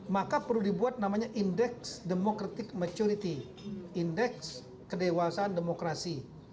maka perlu dibuat namanya indeks demokratik majority indeks kedewasaan demokrasi